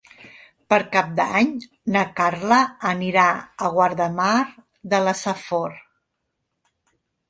Per Cap d'Any na Carla anirà a Guardamar de la Safor.